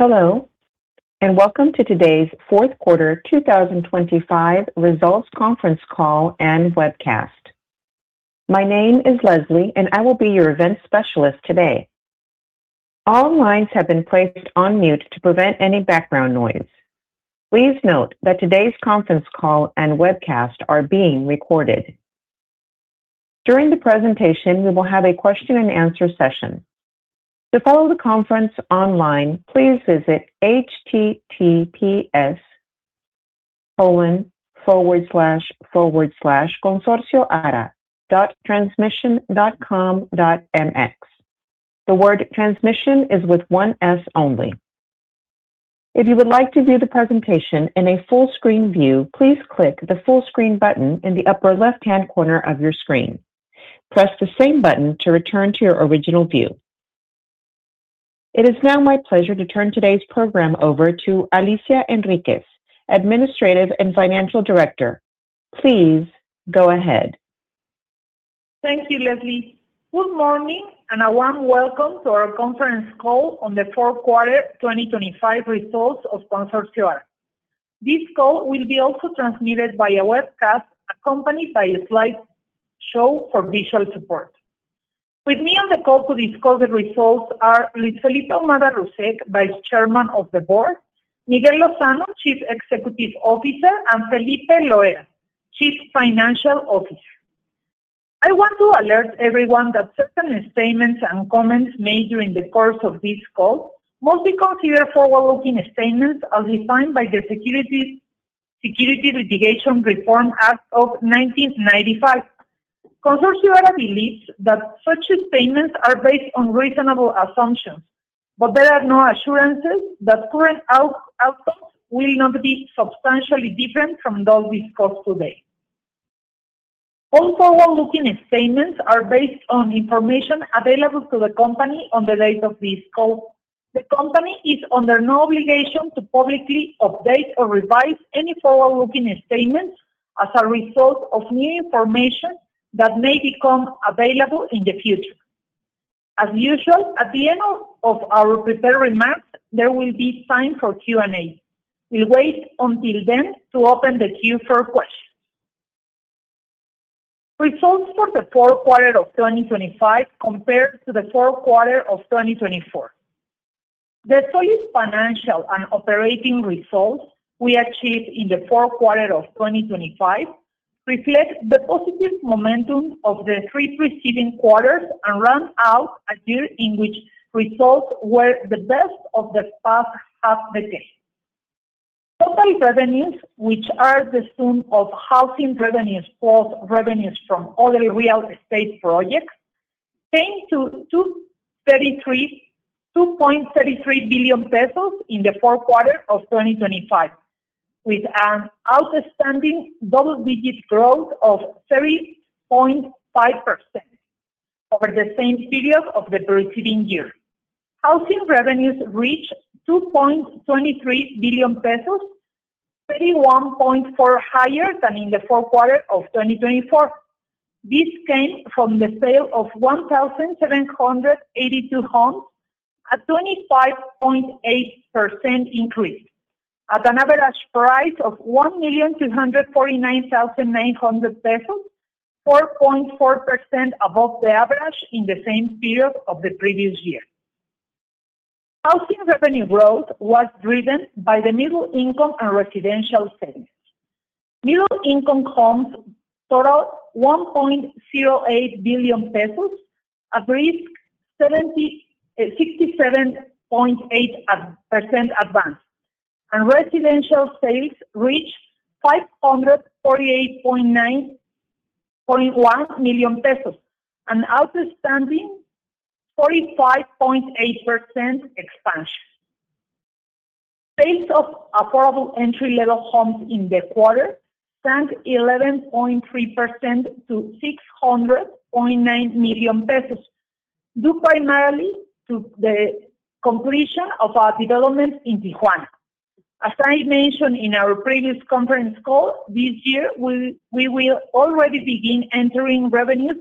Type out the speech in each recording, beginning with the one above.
Hello, and welcome to today's fourth quarter 2025 results conference call and webcast. My name is Leslie, and I will be your event specialist today. All lines have been placed on mute to prevent any background noise. Please note that today's conference call and webcast are being recorded. During the presentation, we will have a question and answer session. To follow the conference online, please visit https://consorcioara.transmision.com.mx. The word transmission is with one S only. If you would like to view the presentation in a full-screen view, please click the full screen button in the upper left-hand corner of your screen. Press the same button to return to your original view. It is now my pleasure to turn today's program over to Alicia Enríquez, Administrative and Financial Director. Please go ahead. Thank you, Leslie. Good morning, and a warm welcome to our conference call on the fourth quarter, 2025 results of Consorcio Ara. This call will be also transmitted by a webcast, accompanied by a slide show for visual support. With me on the call to discuss the results are Luis Felipe Ahumada Russek, Vice Chairman of the Board, Miguel Lozano, Chief Executive Officer, and Felipe Loera, Chief Financial Officer. I want to alert everyone that certain statements and comments made during the course of this call will be considered forward-looking statements as defined by the Securities Litigation Reform Act of 1995. Consorcio Ara believes that such statements are based on reasonable assumptions, but there are no assurances that current outcomes will not be substantially different from those discussed today. All forward-looking statements are based on information available to the company on the date of this call. The company is under no obligation to publicly update or revise any forward-looking statements as a result of new information that may become available in the future. As usual, at the end of our prepared remarks, there will be time for Q&A. We'll wait until then to open the queue for questions. Results for the fourth quarter of 2025 compared to the fourth quarter of 2024. The solid financial and operating results we achieved in the fourth quarter of 2025 reflect the positive momentum of the three preceding quarters and round out a year in which results were the best of the past half decade. Total revenues, which are the sum of housing revenues plus revenues from other real estate projects, came to 2.33 billion pesos in the fourth quarter of 2025, with an outstanding double-digit growth of 3.5% over the same period of the preceding year. Housing revenues reached 2.23 billion pesos, 31.4% higher than in the fourth quarter of 2024. This came from the sale of 1,782 homes, a 25.8% increase, at an average price of 1,249,900 pesos, 4.4% above the average in the same period of the previous year. Housing revenue growth was driven by the middle-income and residential sales. Middle-income homes totaled MXN 1.08 billion, a brisk 67.8% advance, and residential sales reached 548.91 million pesos, an outstanding 45.8% expansion. Sales of affordable entry-level homes in the quarter sank 11.3% to 600.9 million pesos, due primarily to the completion of our developments in Tijuana. As I mentioned in our previous conference call, this year, we will already begin entering revenues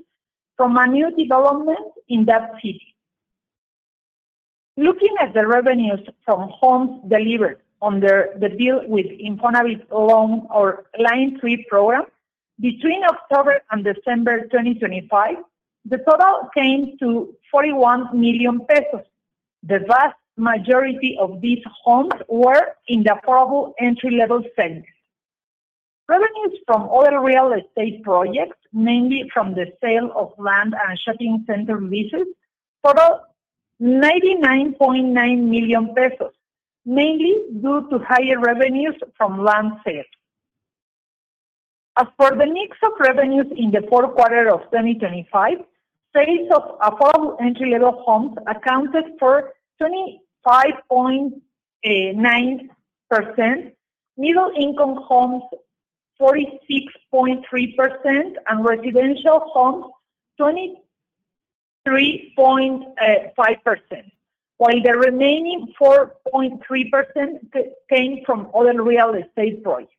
from a new development in that city. Looking at the revenues from homes delivered under the deal with Infonavit Loan or Line Three program, between October and December 2025, the total came to 41 million pesos. The vast majority of these homes were in the affordable entry-level segment. Revenues from other real estate projects, mainly from the sale of land and shopping center leases, totaled 99.9 million pesos, mainly due to higher revenues from land sales. As for the mix of revenues in the fourth quarter of 2025, sales of affordable entry-level homes accounted for 25.9%, middle-income homes 46.3%, and residential homes 23.5%, while the remaining 4.3% came from other real estate projects.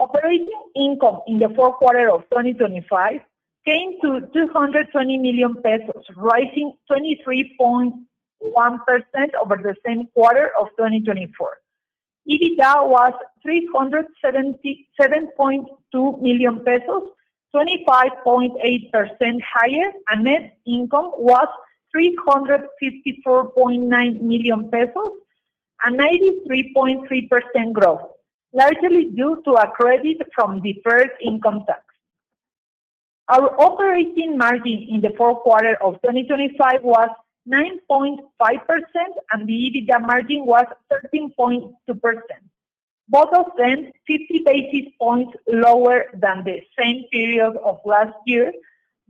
Operating income in the fourth quarter of 2025 came to 220 million pesos, rising 23.1% over the same quarter of 2024. EBITDA was 377.2 million pesos, 25.8% higher, and net income was 354.9 million pesos, a 93.3% growth, largely due to a credit from deferred income tax. Our operating margin in the fourth quarter of 2025 was 9.5%, and the EBITDA margin was 13.2%. Both of them, 50 basis points lower than the same period of last year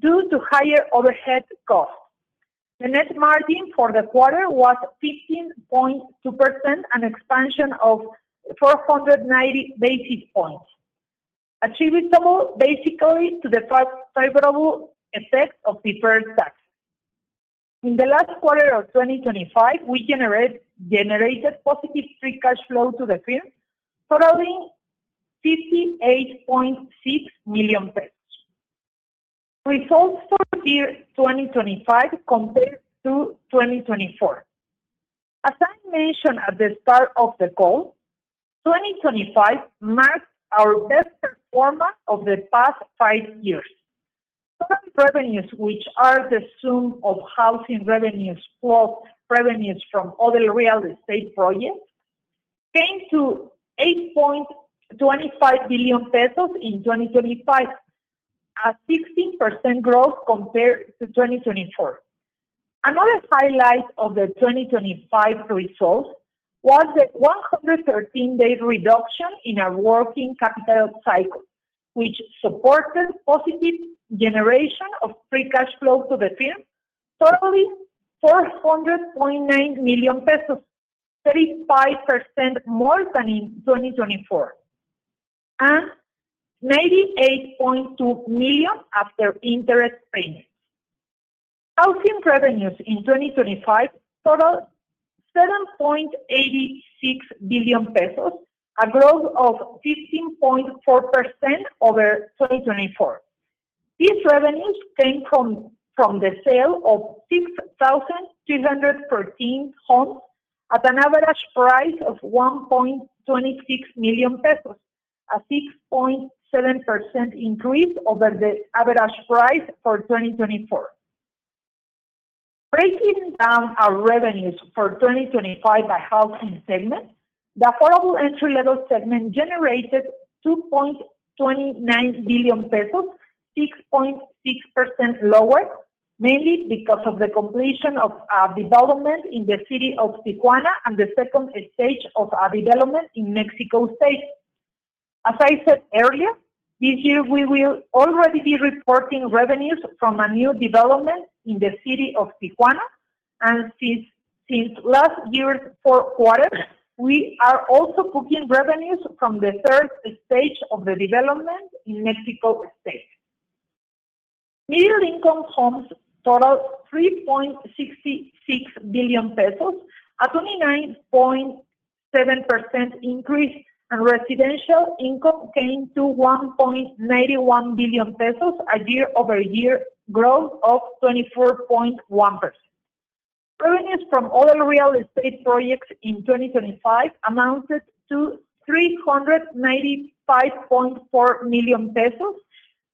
due to higher overhead costs. The net margin for the quarter was 15.2%, an expansion of 490 basis points, attributable basically to the favorable effect of deferred tax. In the last quarter of 2025, we generated positive free cash flow to the firm, totaling 58.6 million pesos. Results for the year 2025 compared to 2024. As I mentioned at the start of the call, 2025 marked our best performance of the past five years. Total revenues, which are the sum of housing revenues plus revenues from other real estate projects, came to 8.25 billion pesos in 2025, a 16% growth compared to 2024. Another highlight of the 2025 results was a 113-day reduction in our working capital cycle, which supported positive generation of free cash flow to the firm, totaling 400.9 million pesos, 35% more than in 2024, and 98.2 million after interest payments. Housing revenues in 2025 totaled 7.86 billion pesos, a growth of 15.4% over 2024. These revenues came from the sale of 6,313 homes at an average price of 1.26 million pesos, a 6.7% increase over the average price for 2024. Breaking down our revenues for 2025 by housing segment, the affordable entry-level segment generated 2.29 billion pesos, 6.6% lower, mainly because of the completion of a development in the city of Tijuana and the second stage of a development in Mexico State. As I said earlier, this year, we will already be reporting revenues from a new development in the city of Tijuana, and since last year's fourth quarter, we are also booking revenues from the third stage of the development in Mexico State. Middle-income homes totaled 3.66 billion pesos, a 29.7% increase, and residential income came to 1.91 billion pesos, a year-over-year growth of 24.1%. Revenues from other real estate projects in 2025 amounted to 395.4 million pesos,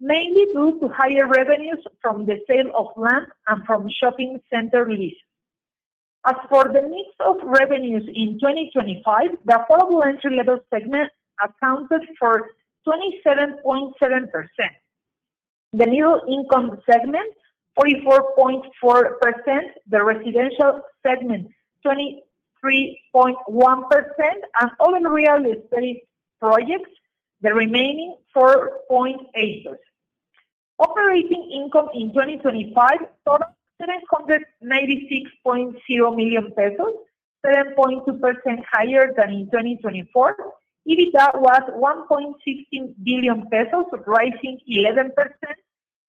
mainly due to higher revenues from the sale of land and from shopping center leasing. As for the mix of revenues in 2025, the affordable entry-level segment accounted for 27.7%. The middle-income segment, 44.4%, the residential segment, 23.1%, and other real estate projects, the remaining 4.8%. Operating income in 2025 totaled 996.0 million pesos, 7.2% higher than in 2024. EBITDA was 1.16 billion pesos, rising 11%,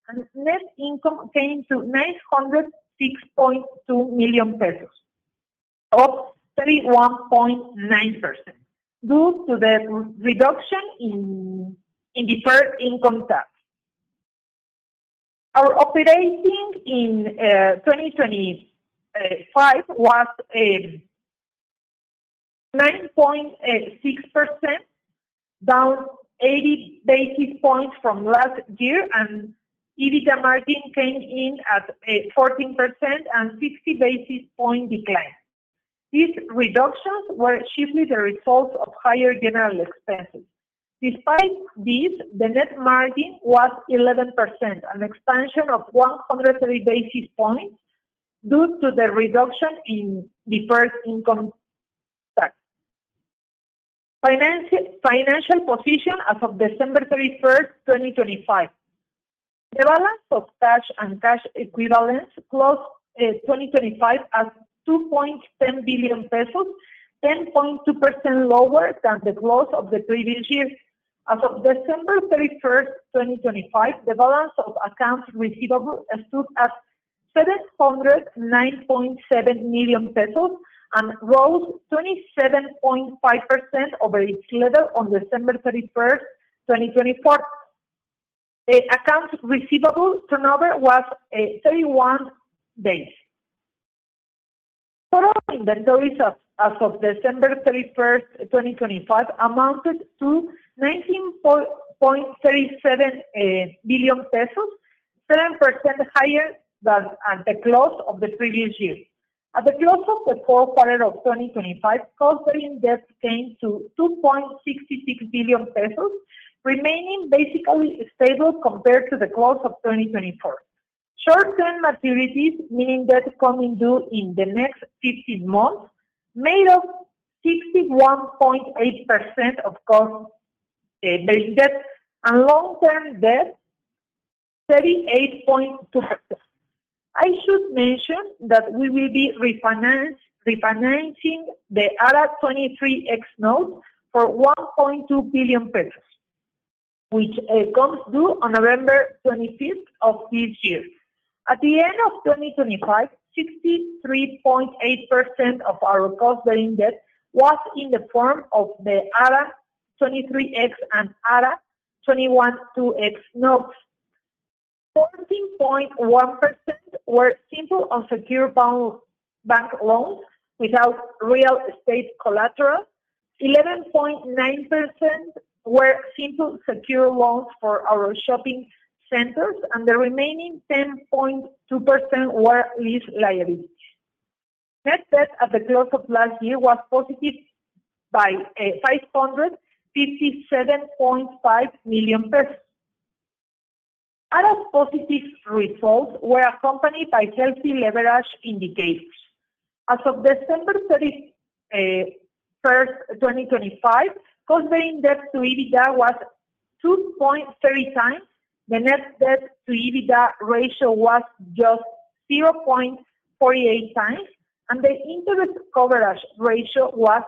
and net income came to 906.2 million pesos, up 31.9%, due to the reduction in deferred income tax. Our operating income in 2025 was 9.6%, down 80 basis points from last year, and EBITDA margin came in at 14% and 60 basis point decline. These reductions were chiefly the result of higher general expenses. Despite this, the net margin was 11%, an expansion of 103 basis points due to the reduction in deferred income tax. Financial position as of December 31, 2025. The balance of cash and cash equivalents closed 2025 at 2.10 billion pesos, 10.2% lower than the close of the previous year. As of December 31, 2025, the balance of accounts receivable stood at 709.7 million pesos and rose 27.5% over its level on December 31, 2024. The accounts receivable turnover was 31 days. Total inventories as of December 31, 2025, amounted to 19.37 billion pesos, 7% higher than at the close of the previous year. At the close of the fourth quarter of 2025, Consorcio debt came to 2.66 billion pesos, remaining basically stable compared to the close of 2024. Short-term maturities, meaning debt coming due in the next 15 months, made up 61.8% of total basic debt, and long-term debt, 38.2%. I should mention that we will be refinancing the ARA 23X note for 1.2 billion pesos, which comes due on November 25th of this year. At the end of 2025, 63.8% of our cost bearing debt was in the form of the ARA 23X and ARA 21-2X notes. 14.1% were simple and secure bank loans without real estate collateral. 11.9% were simple, secure loans for our shopping centers, and the remaining 10.2% were lease liabilities. Net debt at the close of last year was positive by MXN 557.5 million. Other positive results were accompanied by healthy leverage indicators. As of December 31, 2025, Consorcio debt to EBITDA was 2.3 times, the net debt to EBITDA ratio was just 0.48 times, and the interest coverage ratio was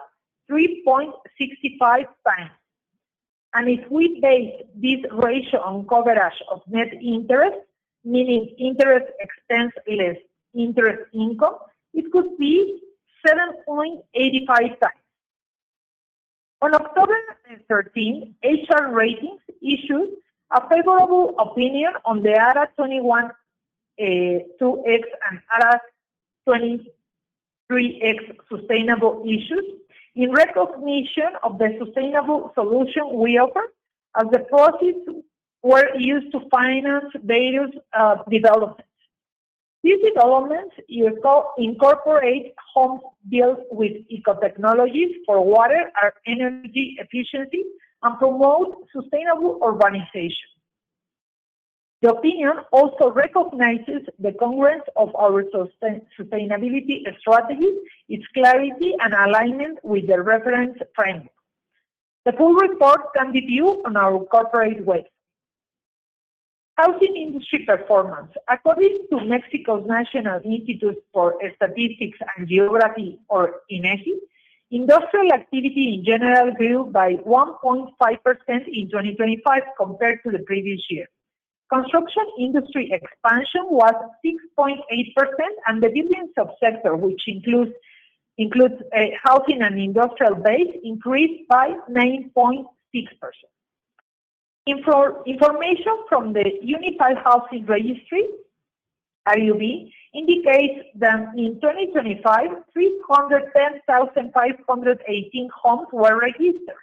3.65 times. And if we base this ratio on coverage of net interest, meaning interest expense less interest income, it could be 7.85 times. On October 13, HR Ratings issued a favorable opinion on the ARA 21-2X and ARA 23X sustainable issues. In recognition of the sustainable solution we offer, as the proceeds were used to finance various developments. These developments incorporate homes built with eco technologies for water and energy efficiency and promote sustainable urbanization. The opinion also recognizes the congruence of our sustainability strategy, its clarity, and alignment with the reference framework. The full report can be viewed on our corporate website. Housing industry performance. According to Mexico's National Institute for Statistics and Geography, or INEGI, industrial activity in general grew by 1.5% in 2025 compared to the previous year. Construction industry expansion was 6.8%, and the buildings subsector, which includes housing and industrial base, increased by 9.6%. Information from the Unified Housing Registry, RUV, indicates that in 2025, 310,518 homes were registered,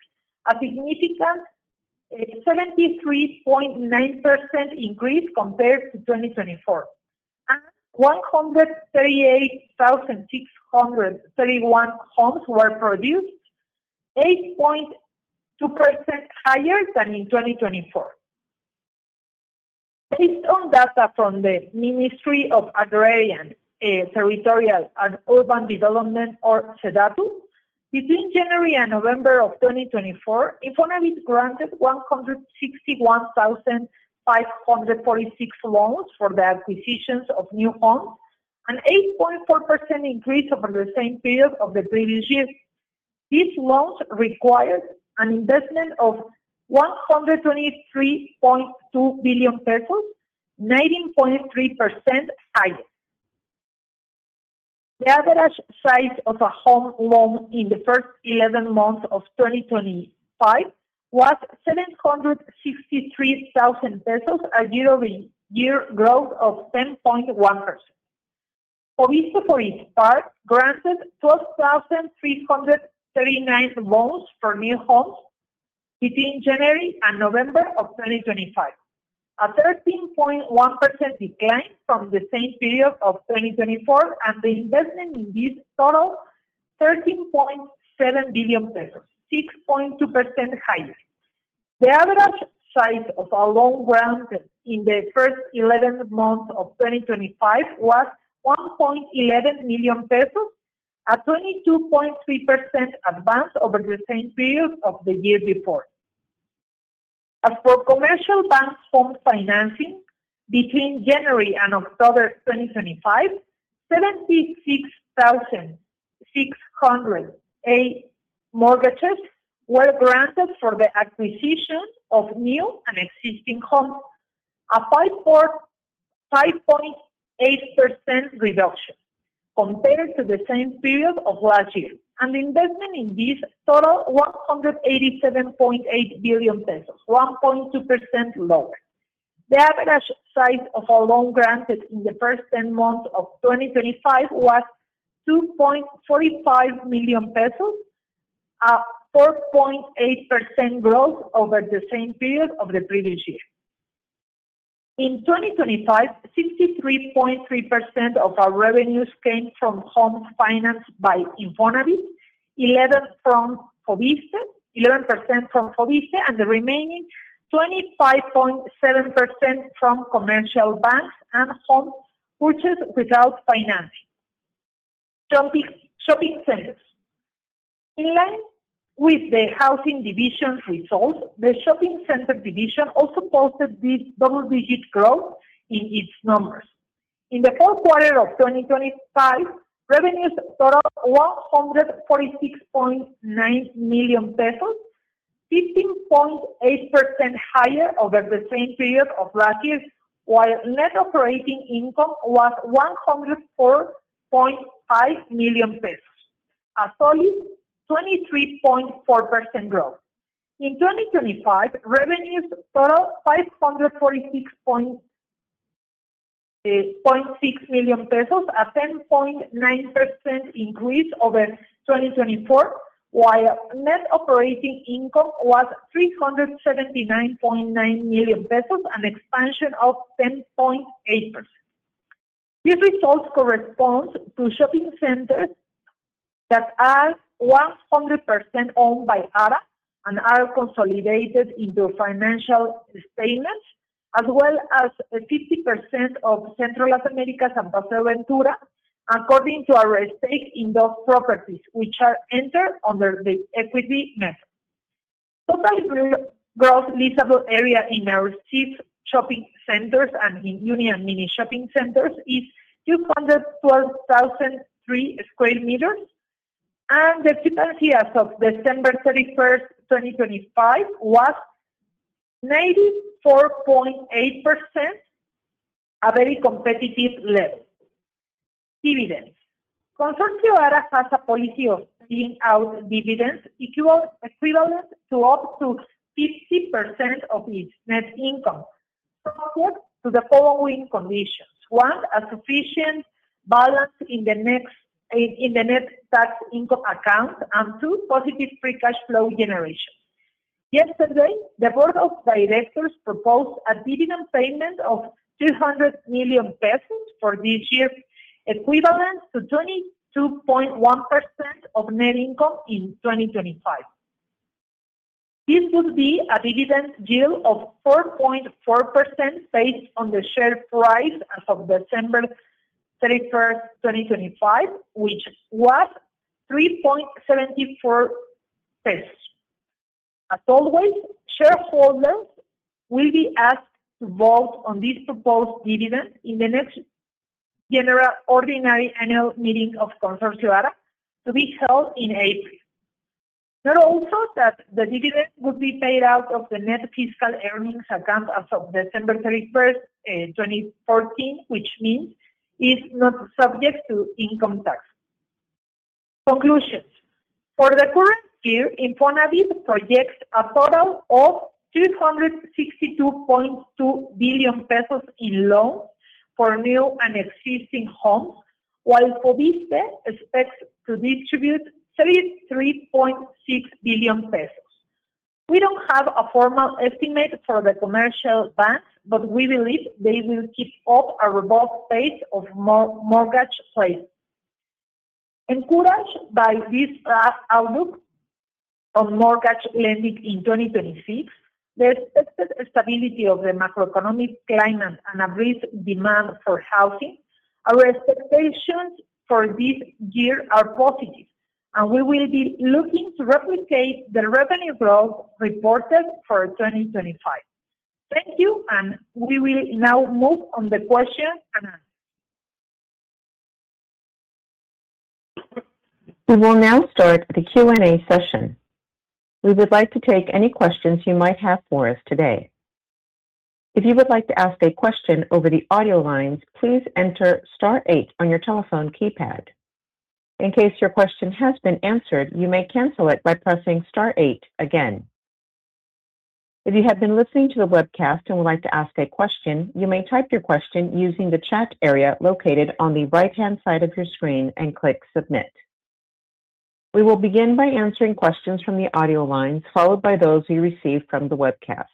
a significant 73.9% increase compared to 2024. And 138,631 homes were produced, 8.2% higher than in 2024. Based on data from the Ministry of Agrarian, Territorial, and Urban Development, or SEDATU, between January and November of 2024, INFONAVIT granted 161,546 loans for the acquisitions of new homes, an 8.4% increase over the same period of the previous year. These loans required an investment of 123.2 billion pesos, 19.3% higher. The average size of a home loan in the first eleven months of 2025 was 763,000 pesos, a year-over-year growth of 10.1%. FOVISSSTE, for its part, granted 12,339 loans for new homes between January and November of 2025, a 13.1% decline from the same period of 2024, and the investment in this total, 13.7 billion pesos, 6.2% higher. The average size of a loan granted in the first 11 months of 2025 was 1.11 million pesos, a 22.3% advance over the same period of the year before. As for commercial banks' home financing, between January and October 2025, 76,608 mortgages were granted for the acquisition of new and existing homes, a 5.8% reduction compared to the same period of last year. Investment in this total 187.8 billion pesos, 1.2% lower. The average size of our loan granted in the first 10 months of 2025 was 2.45 million pesos, a 4.8% growth over the same period of the previous year. In 2025, 63.3% of our revenues came from home finance by INFONAVIT, eleven from FOVISSSTE, eleven percent from FOVISSSTE, and the remaining 25.7% from commercial banks and home purchases without financing. Shopping, shopping centers. In line with the housing division results, the shopping center division also posted this double-digit growth in its numbers. In the fourth quarter of 2025, revenues totaled MXN 146.9 million, 15.8% higher over the same period of last year, while net operating income was 104.5 million pesos, a solid 23.4% growth. In 2025, revenues totaled 546.6 million pesos, a 10.9% increase over 2024, while net operating income was 379.9 million pesos, an expansion of 10.8%. These results correspond to shopping centers that are 100% owned by Ara and are consolidated into financial statements, as well as 50% of Centro Las Américas, San Pablo Ventura, according to our stake in those properties, which are entered under the equity method. Total gross leasable area in our chief shopping centers and in union mini shopping centers is 212,003 square meters, and the occupancy as of December 31, 2025, was 94.8%, a very competitive level. Dividends. Consorcio Ara has a policy of paying out dividends equivalent to up to 50% of its net income, subject to the following conditions: one, a sufficient balance in the net tax income account, and two, positive free cash flow generation. Yesterday, the board of directors proposed a dividend payment of 200 million pesos for this year, equivalent to 22.1% of net income in 2025. This would be a dividend yield of 4.4%, based on the share price as of December 31, 2025, which was 3.74 pesos. As always, shareholders will be asked to vote on this proposed dividend in the next general ordinary annual meeting of Consorcio Ara to be held in April. Note also that the dividend will be paid out of the net fiscal earnings account as of December 31, 2014, which means it's not subject to income tax. Conclusions. For the current year, INFONAVIT projects a total of 362.2 billion pesos in loans for new and existing homes, while FOVISSSTE expects to distribute 33.6 billion pesos. We don't have a formal estimate for the commercial banks, but we believe they will keep up a robust pace of mortgage lending. Encouraged by this strong outlook on mortgage lending in 2025, the expected stability of the macroeconomic climate and a brisk demand for housing, our expectations for this year are positive, and we will be looking to replicate the revenue growth reported for 2025. Thank you, and we will now move on the question and answer. We will now start the Q&A session. We would like to take any questions you might have for us today. If you would like to ask a question over the audio lines, please enter star eight on your telephone keypad. In case your question has been answered, you may cancel it by pressing star eight again. If you have been listening to the webcast and would like to ask a question, you may type your question using the chat area located on the right-hand side of your screen and click Submit. We will begin by answering questions from the audio lines, followed by those we received from the webcast.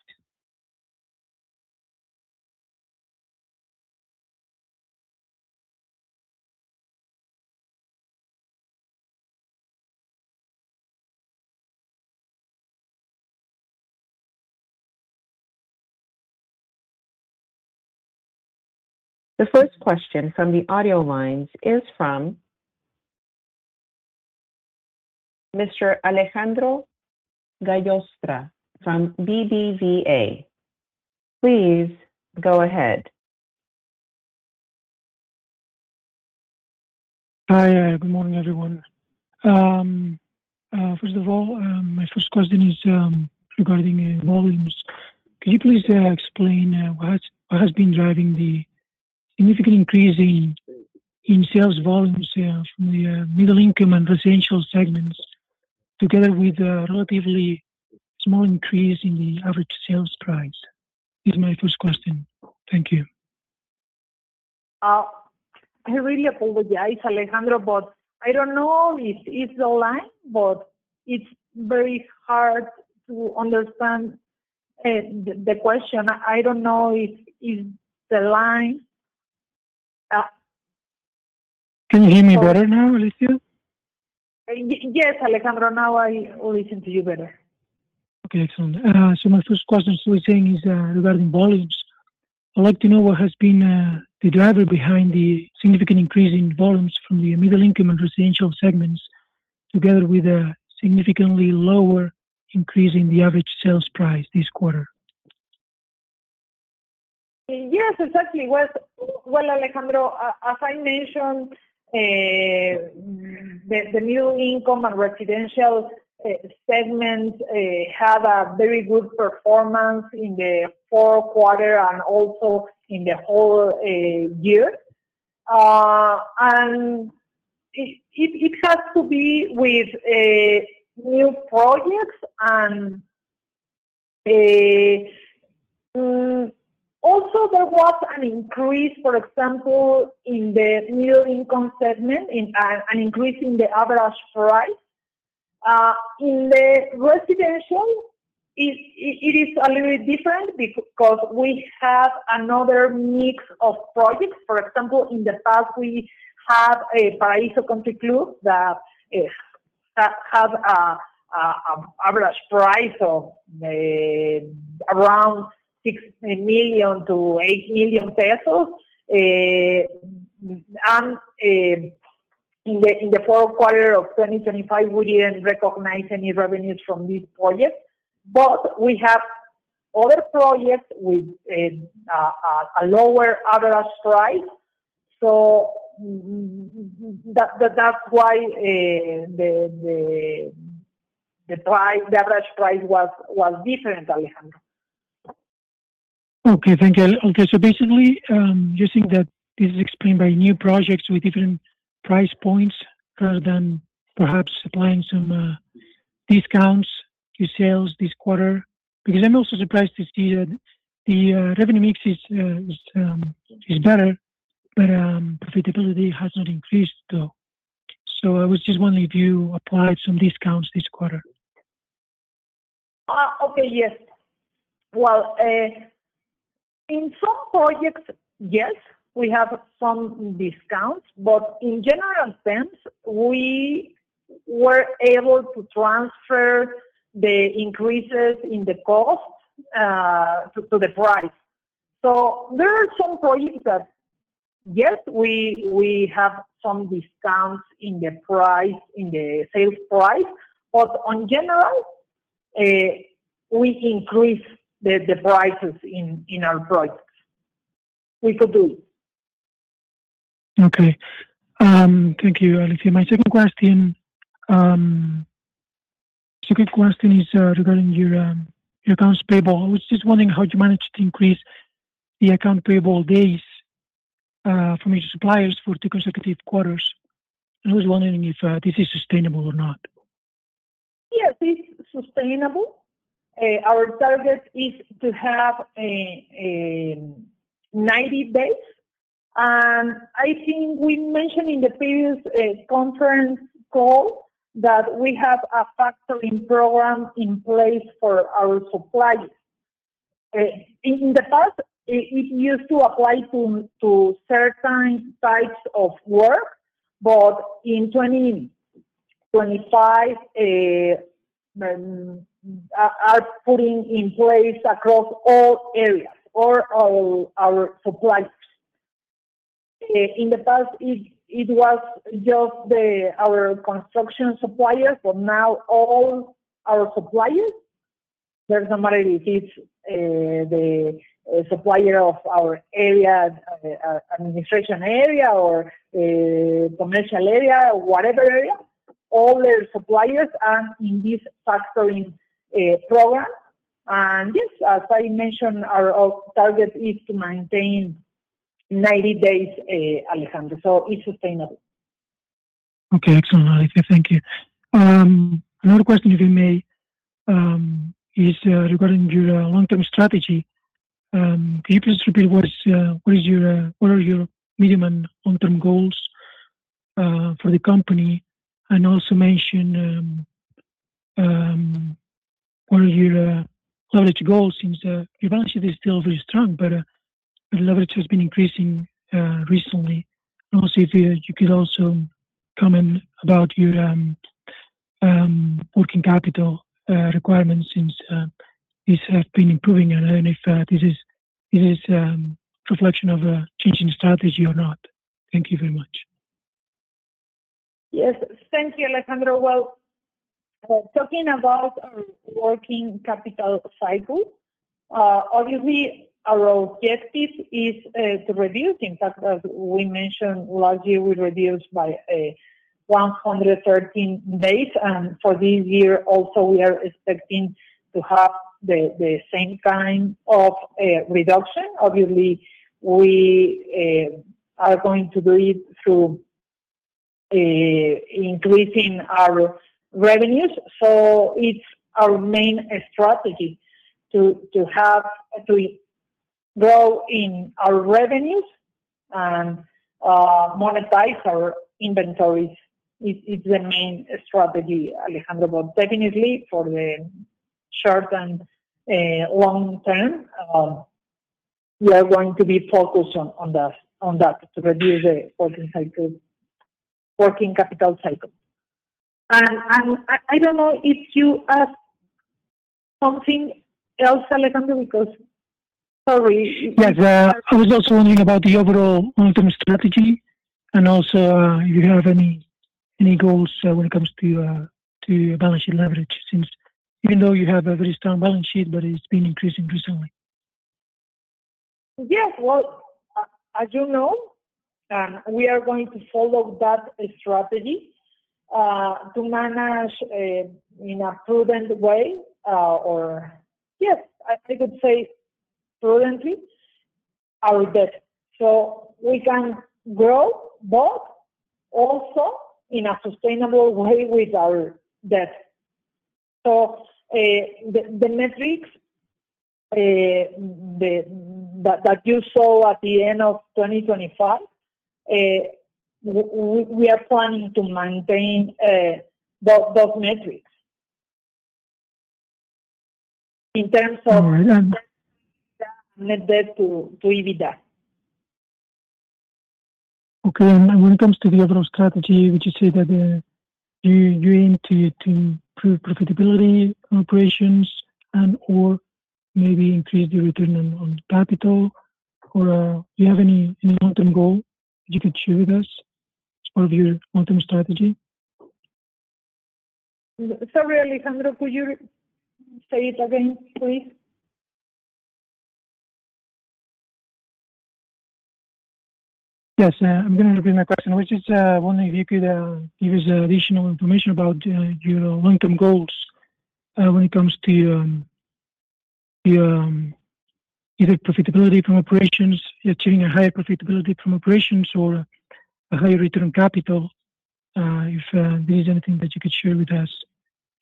The first question from the audio lines is from Mr. Alejandro Gallostra from BBVA. Please go ahead. Hi, good morning, everyone. First of all, my first question is regarding volumes. Can you please explain what has been driving the significant increase in sales volumes from the middle income and residential segments, together with a relatively small increase in the average sales price? Is my first question. Thank you. I really apologize, Alejandro, but I don't know if it's the line, but it's very hard to understand the question. I don't know if it's the line. Can you hear me better now, Alicia? Yes, Alejandro, now I listen to you better. Okay, excellent. So my first question was saying is, regarding volumes. I'd like to know what has been, the driver behind the significant increase in volumes from the middle-income and residential segments, together with a significantly lower increase in the average sales price this quarter? Yes, exactly. Well, well, Alejandro, as I mentioned, the middle income and residential segments had a very good performance in the fourth quarter and also in the whole year. And it has to be with new projects and also there was an increase, for example, in the middle-income segment, an increase in the average price. In the residential, it is a little different because we have another mix of projects. For example, in the past, we have a Paraíso Country Club that has an average price of around 6 million-8 million pesos. And in the fourth quarter of 2025, we didn't recognize any revenues from this project, but we have other projects with a lower average price. So that, that's why, the price, the average price was different, Alejandro. Okay, thank you. Okay, so basically, you think that this is explained by new projects with different price points, rather than perhaps applying some discounts to sales this quarter? Because I'm also surprised to see that the revenue mix is better, but profitability has not increased though. So I was just wondering if you applied some discounts this quarter? Okay, yes. Well, in some projects, yes, we have some discounts, but in general sense, we were able to transfer the increases in the cost to the price. So there are some projects that, yes, we have some discounts in the price, in the sales price, but on general, we increase the prices in our projects. We could do it. Okay. Thank you, Alicia. My second question, second question is regarding your accounts payable. I was just wondering how you managed to increase the accounts payable days from your suppliers for two consecutive quarters. I was wondering if this is sustainable or not. Yes, it's sustainable. Our target is to have a 90 days, and I think we mentioned in the previous conference call that we have a factoring program in place for our suppliers. In the past, it used to apply to certain types of work, but in 2025, are putting in place across all areas, all our suppliers. In the past, it was just our construction suppliers, but now all our suppliers, doesn't matter if it's the supplier of our area, administration area or commercial area, whatever area, all the suppliers are in this factoring program. And yes, as I mentioned, our target is to maintain 90 days, Alejandro, so it's sustainable. Okay, excellent, Alicia. Thank you. Another question, if you may, is regarding your long-term strategy. Can you please repeat what are your medium- and long-term goals for the company? And also mention what are your leverage goals, since your balance sheet is still very strong, but leverage has been increasing recently. And also if you could also comment about your working capital requirements, since this has been improving, and if it is reflection of a changing strategy or not? Thank you very much. Yes, thank you, Alejandro. Well, talking about our working capital cycle, obviously, our objective is to reduce. In fact, as we mentioned last year, we reduced by 113 days, and for this year also, we are expecting to have the same kind of reduction. Obviously, we are going to do it through increasing our revenues. So it's our main strategy to have to grow in our revenues and monetize our inventories. It, it's the main strategy, Alejandro, but definitely for the short and long term, we are going to be focused on that, on that, to reduce the working cycle, working capital cycle. And I don't know if you asked something else, Alejandro, because sorry- Yes, I was also wondering about the overall long-term strategy, and also, if you have any, any goals, when it comes to, to your balance sheet leverage, since even though you have a very strong balance sheet, but it's been increasing recently. Yes, well, as you know, we are going to follow that strategy to manage in a prudent way, or yes, I could say prudently, our debt. So we can grow, but also in a sustainable way with our debt. So, the metrics that you saw at the end of 2025, we are planning to maintain those metrics. In terms of- All right, then. Net Debt to EBITDA. Okay, and when it comes to the overall strategy, would you say that you aim to improve profitability, operations, and/or maybe increase the return on capital? Or, do you have any long-term goal you could share with us as part of your long-term strategy? Sorry, Alejandro, could you say it again, please? Yes, I'm going to repeat my question, which is wondering if you could give us additional information about your long-term goals when it comes to your either profitability from operations, achieving a higher profitability from operations, or a higher return on capital, if there's anything that you could share with us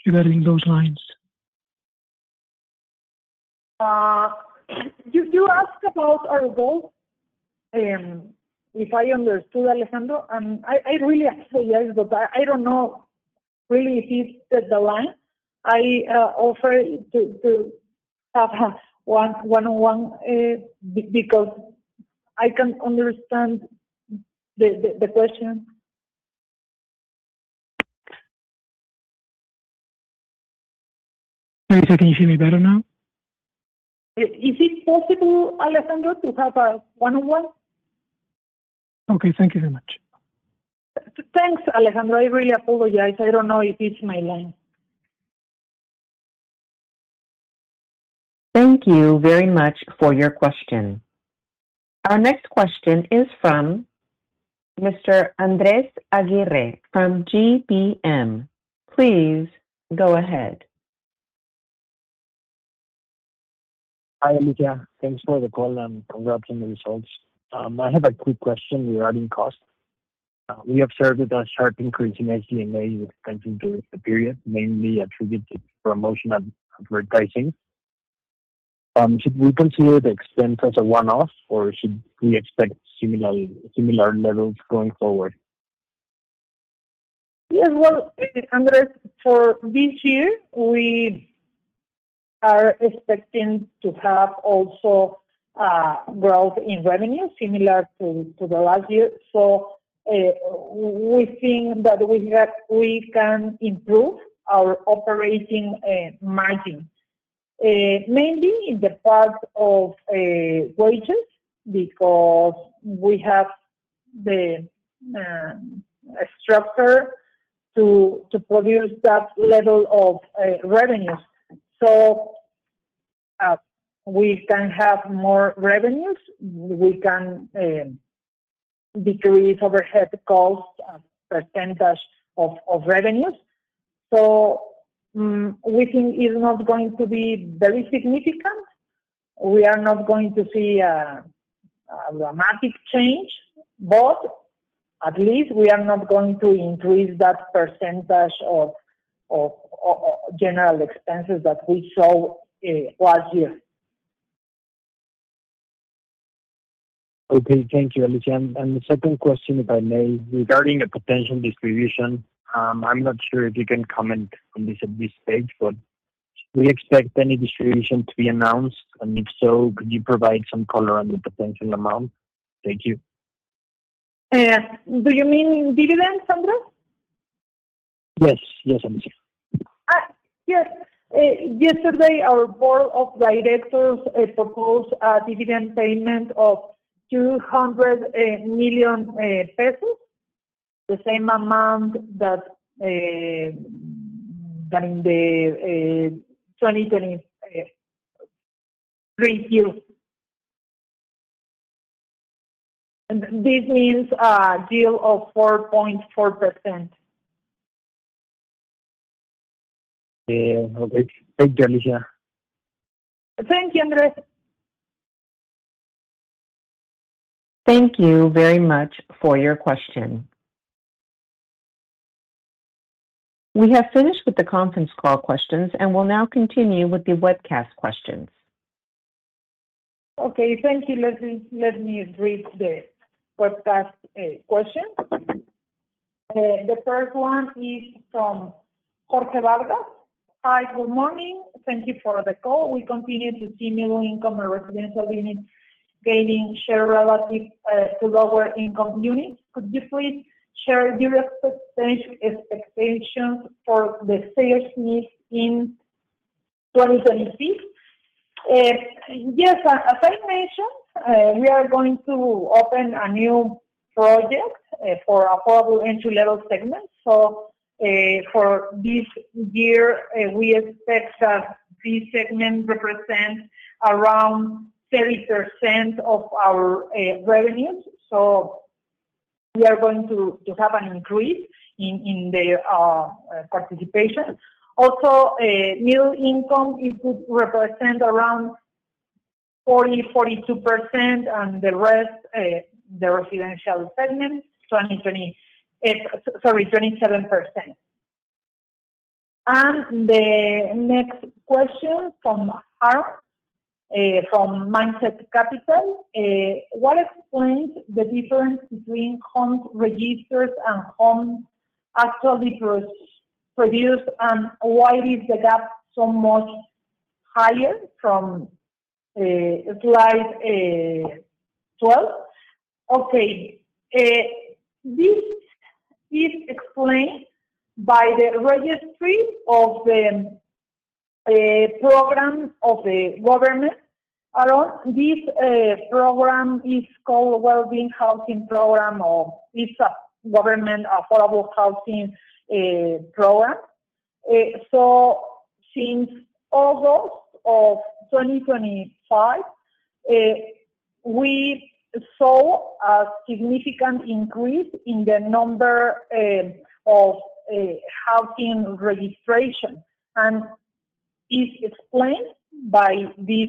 regarding those lines. You asked about our goals, if I understood, Alejandro, and I really apologize, but I don't know really if it's the line. I offer to have one-on-one, because I can't understand the question. Sorry, sir, can you hear me better now? Is it possible, Alejandro, to have a one-on-one? Okay, thank you very much. Thanks, Alejandro. I really apologize. I don't know if it's my line. Thank you very much for your question. Our next question is from Mr. Andrés Aguirre from GBM. Please go ahead. Hi, Alicia. Thanks for the call and for sharing the results. I have a quick question regarding costs. We observed a sharp increase in SG&A expenses during the period, mainly attributed to promotion and advertising. Should we consider the expense as a one-off, or should we expect similar, similar levels going forward? Yes, well, Andrés, for this year, we are expecting to have also growth in revenue, similar to the last year. So, we think that we have we can improve our operating margin mainly in the part of wages, because we have the structure to produce that level of revenues. So, we can have more revenues, we can decrease overhead costs as percentage of revenues. So, we think it's not going to be very significant. We are not going to see a dramatic change, but at least we are not going to increase that percentage of general expenses that we saw last year. Okay. Thank you, Alicia. And the second question, if I may, regarding a potential distribution, I'm not sure if you can comment on this at this stage, but do we expect any distribution to be announced, and if so, could you provide some color on the potential amount? Thank you. Do you mean dividends, Andrés?... Yes, yes, Alicia. Yes. Yesterday our board of directors proposed a dividend payment of 200 million pesos, the same amount that that in the 2020 review. And this means a yield of 4.4%. Yeah, okay. Thank you, Alicia. Thank you, Andrés. Thank you very much for your question. We have finished with the conference call questions, and we'll now continue with the webcast questions. Okay, thank you. Let me read the webcast question. The first one is from Jorge Vargas. "Hi, good morning. Thank you for the call. We continue to see middle-income or residential units gaining share relative to lower-income units. Could you please share your expectations for the sales mix in 2026?" Yes, as I mentioned, we are going to open a new project for affordable entry-level segment. So, for this year, we expect that this segment represents around 30% of our revenues, so we are going to have an increase in the participation. Also, middle income, it could represent around 40-42%, and the rest, the residential segment, 27%. The next question from Aaron from Mindset Capital: "What explains the difference between homes registered and homes actually produced, and why is the gap so much higher from slide 12?" Okay, this is explained by the registry of the program of the government. Around this program is called Wellbeing Housing Program, or it's a government affordable housing program. So since August of 2025, we saw a significant increase in the number of housing registration, and is explained by this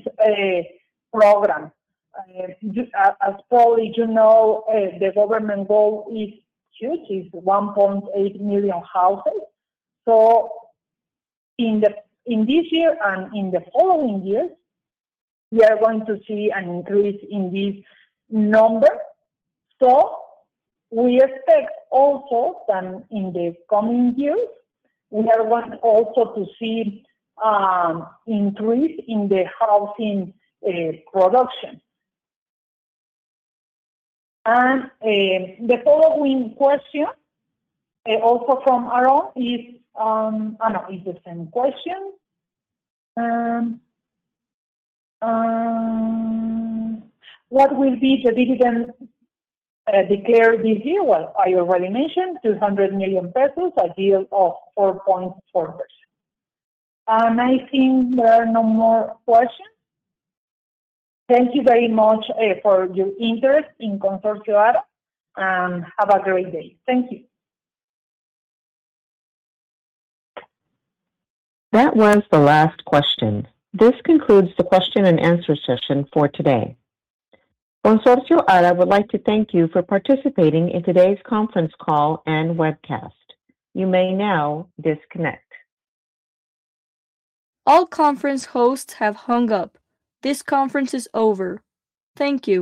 program. As probably you know, the government goal is huge, is 1.8 million houses. So in this year and in the following years, we are going to see an increase in this number. So we expect also that in the coming years, we are going also to see, increase in the housing production. And the following question also from Aaron is... Oh, no, it's the same question. "What will be the dividend declared this year?" Well, I already mentioned, 200 million pesos, a yield of 4.4%. And I think there are no more questions. Thank you very much for your interest in Consorcio ARA, and have a great day. Thank you! That was the last question. This concludes the question and answer session for today. Consorcio ARA would like to thank you for participating in today's conference call and webcast. You may now disconnect. All conference hosts have hung up. This conference is over. Thank you.